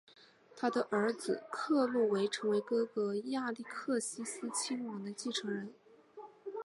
他的儿子克洛维成为哥哥亚历克西斯亲王的继承人。